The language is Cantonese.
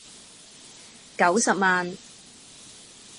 九十萬